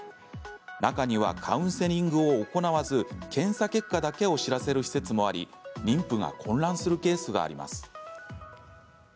中には、カウンセリングを行わず検査結果だけを知らせる施設もあり妊婦が混乱するケースがあります。